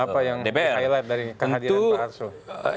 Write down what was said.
apa yang di highlight dari kehadiran pak arsul